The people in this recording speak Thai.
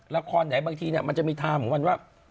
ไหนบางทีมันจะมีไทม์ของมันว่า